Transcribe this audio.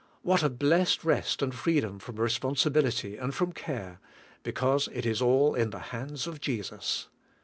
What a blessed rest and freedom from responsibility and from care, be cause it is all in the hands of Jesus!